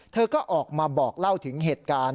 เธอก็ออกมาบอกเล่าถึงเหตุการณ์